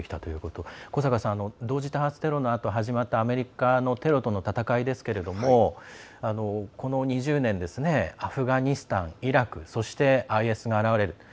同時多発テロのあと始まった、アメリカのテロとの戦いですが、この２０年アフガニスタン、イラクそしてＩＳが現れる。